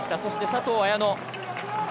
そして、佐藤綾乃。